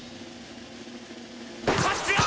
こっちよ！